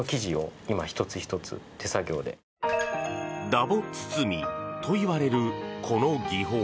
ダボ包みといわれるこの技法。